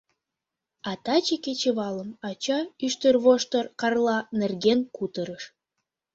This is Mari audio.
А таче кечывалым ача Ӱштервоштыр-Карла нерген кутырыш.